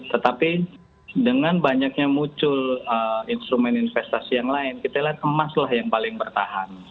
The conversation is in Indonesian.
tetapi dengan banyaknya muncul instrumen investasi yang lain kita lihat emas lah yang paling bertahan